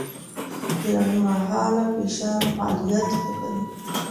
لنډمهاله فشار فعالیت ښه کوي.